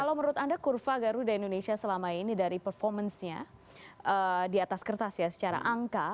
kalau menurut anda kurva garuda indonesia selama ini dari performance nya di atas kertas ya secara angka